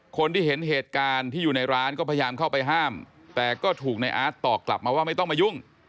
คนที่เห็นเหตุการณ์ที่อยู่ในร้านก็พยายามเข้าไปห้ามแต่ก็ถูกในอาร์ตตอบกลับมาว่าไม่ต้องมายุ่ง